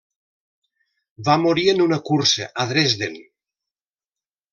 Va morir en una cursa a Dresden.